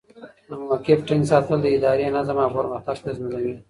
د موقف ټینګ ساتل د ادارې نظم او پرمختګ تضمینوي.